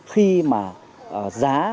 khi mà giá